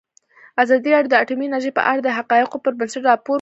ازادي راډیو د اټومي انرژي په اړه د حقایقو پر بنسټ راپور خپور کړی.